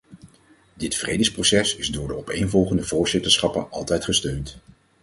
Dit vredesproces is door de opeenvolgende voorzitterschappen altijd gesteund.